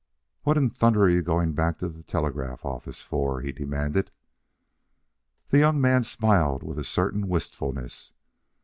"What in thunder are you going back to the telegraph office for?" he demanded. The young man smiled with a certain wistfulness.